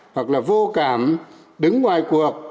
hoặc là vô cảm đứng ngoài cuộc